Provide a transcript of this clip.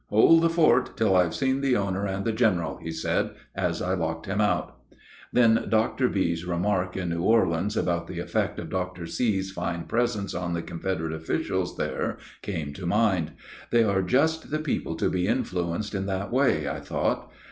"Hold the fort till I've seen the owner and the general," he said, as I locked him out. Then Dr. B.'s remark in New Orleans about the effect of Dr. C.'s fine presence on the Confederate officials there came to mind. They are just the people to be influenced in that way, I thought.